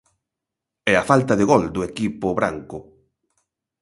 E a falta de gol do equipo branco.